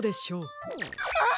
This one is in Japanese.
あっ！